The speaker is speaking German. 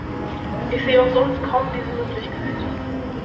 Ich sehe auch sonst kaum diese Möglichkeit.